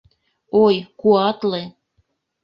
Ой, куатле!